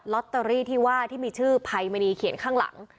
ลอตเตอรี่ที่ว่าที่มีชื่อภัยมณีเขียนข้างหลัง